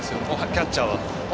キャッチャーは。